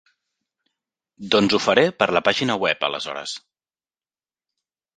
Doncs ho faré per la pàgina web aleshores.